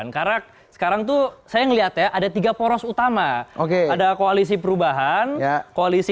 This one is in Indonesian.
karena sekarang tuh saya ngelihat ya ada tiga poros utama oke ada koalisi perubahan koalisi